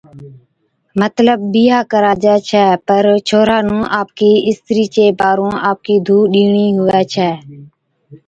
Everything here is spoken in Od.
مطلب بِيھا ڪراجي ڇَي پر ڇوھَرا نُون آپَڪِي استرِي چي پارُون آپَڪِي ڌُو ڏيڻِي ھُوي ڇَي